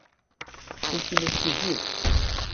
Ttetten imensi zik.